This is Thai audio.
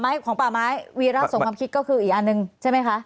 ของป่าไม้วีระสมความคิดก็คืออีกอันหนึ่งใช่ไหมคะ